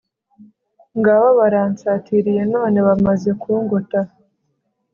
ngabo baransatiriye, none bamaze kungota